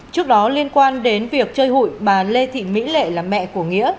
trước đó liên quan đến việc chơi hụi bà lê thị mỹ lệ là mẹ của nghĩa